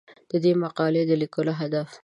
د دې مقالې د لیکلو هدف